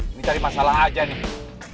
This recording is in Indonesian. ini cari masalah aja nih